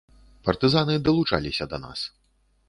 Партызаны далучаліся да нас.